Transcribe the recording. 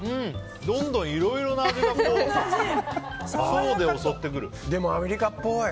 どんどんいろいろな味がでもアメリカっぽい。